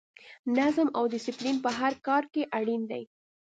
نظم او ډسپلین په هر کار کې اړین دی.